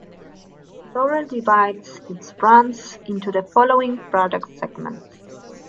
Dorel divides its brands into the following product segments.